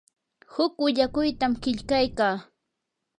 huk willakuytam qillqaykaa.